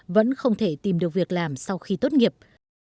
vẫn không thể tìm được việc làm sau khi tốt nghiệp